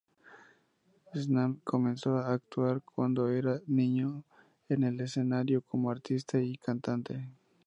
Sanam comenzó a actuar cuando era niño en el escenario como artista y cantante.